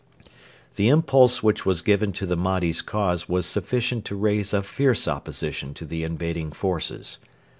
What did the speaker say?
The impulse which was given to the Mahdi's cause was sufficient to raise a fierce opposition to the invading forces.